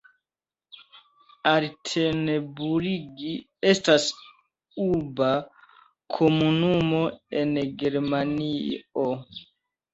Altenburg estas urba komunumo en Germanio.